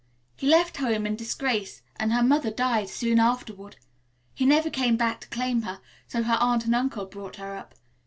"He left home in disgrace and her mother died soon afterward. He never came back to claim her, so her aunt and uncle brought her up.